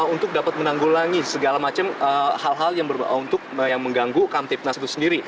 untuk dapat menanggulangi segala macam hal hal yang mengganggu kamtipnas itu sendiri